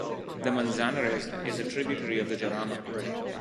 The Manzanares is a tributary of the Jarama.